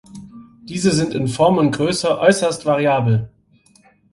Diese sind in Form und Größe äußerst variabel.